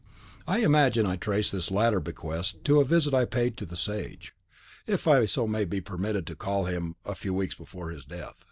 I imagine I trace this latter bequest to a visit I paid the Sage, if so I may be permitted to call him, a few weeks before his death.